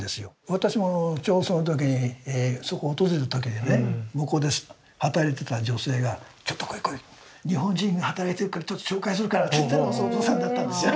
私もちょうどその時にそこ訪れた時にね向こうで働いてた女性が「ちょっと来い来い。日本人が働いてるからちょっと紹介するから」って言ったのが外尾さんだったんですよ。